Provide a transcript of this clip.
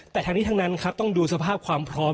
แต่ทั้งนี้ทั้งนั้นครับต้องดูสภาพความพร้อม